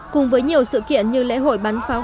cùng với nhiều sự kiện như lễ hội bắn pháo